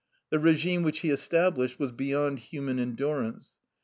The regime which he established was beyond human endurance.